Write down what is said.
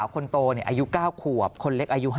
คนโตอายุ๙ขวบคนเล็กอายุ๕